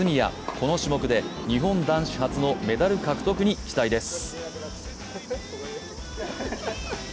この種目で日本男子初のメダル獲得に期待です。